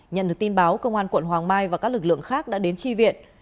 nhận được tin báo cơ quan quận hoàng mai và các lực lượng khác đã đến tri viện